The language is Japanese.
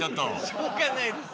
しょうがないです。